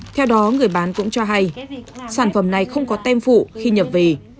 theo đó người bán cũng cho hay sản phẩm này không có tem phụ khi nhập về